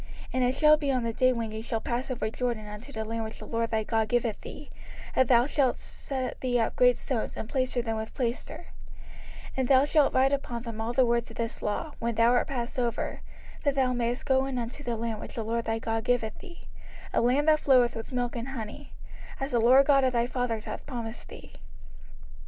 05:027:002 And it shall be on the day when ye shall pass over Jordan unto the land which the LORD thy God giveth thee, that thou shalt set thee up great stones, and plaister them with plaister: 05:027:003 And thou shalt write upon them all the words of this law, when thou art passed over, that thou mayest go in unto the land which the LORD thy God giveth thee, a land that floweth with milk and honey; as the LORD God of thy fathers hath promised thee.